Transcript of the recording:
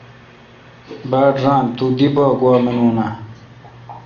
باڑ ران تو دی پا گوا مانون اؘ۔